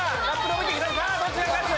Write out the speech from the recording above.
さぁどっちが勝つ？